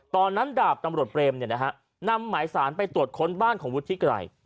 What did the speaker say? ดาบตำรวจเปรมนำหมายสารไปตรวจค้นบ้านของวุฒิไกร